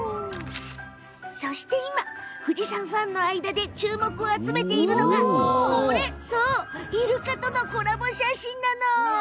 そして今、富士山ファンの間で注目されているのがイルカとのコラボ写真なの。